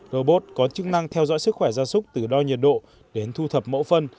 robot có chức năng theo dõi sức khỏe gia súc từ đo nhiệt độ đến thu thập mẫu phân